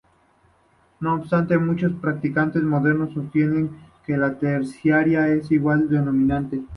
No obstante, muchos practicantes modernos sostienen que la Terciaria es igual que la Dominante.